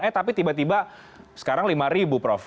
eh tapi tiba tiba sekarang lima ribu prof